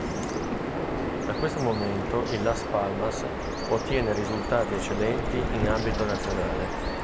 Da questo momento il Las Palmas ottiene risultati eccellenti in ambito nazionale.